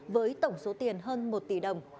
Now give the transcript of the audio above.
với tổng số tiền hơn một tỷ đồng